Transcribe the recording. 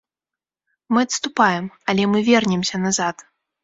Мы адступаем, але мы вернемся назад.